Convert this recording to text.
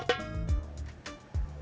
bukan demi saya